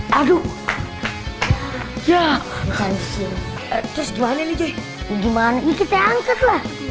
hai aduh ya terus gimana nih gimana kita angkatlah